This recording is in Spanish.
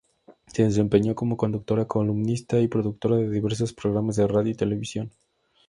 Se desempeñó como conductora, columnista y productora de diversos programas de radio y televisión.